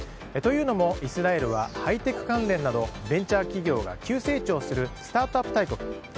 というのも、イスラエルはハイテク関連などベンチャー企業が急成長するスタートアップ大国。